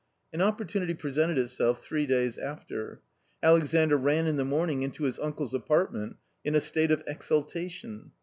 An opportunity presented itself three days after. Alexandr ran in the mornings into his uncle's apartment in a state of ex ^ ultation.